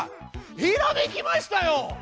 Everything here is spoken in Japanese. ひらめきましたよ！